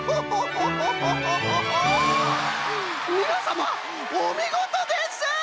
みなさまおみごとです！